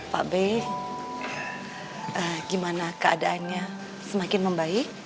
pak b gimana keadaannya semakin membaik